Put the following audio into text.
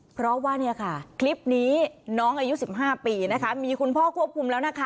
เพราะว่าคลิปนี้น้องอายุสิบห้าปีมีคุณพ่อกลับคลุมแล้ว